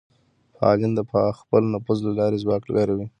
فعالین د خپل نفوذ له لارې ځواک کاروي